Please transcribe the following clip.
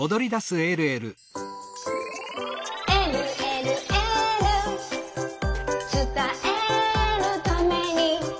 「えるえるエール」「つたえるために」